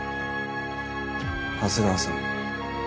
長谷川さん